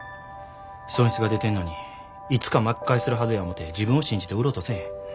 損失が出てんのにいつか巻き返せるはずや思て自分を信じて売ろうとせえへん。